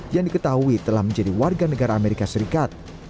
yang diketahui telah menjadi warga negara amerika serikat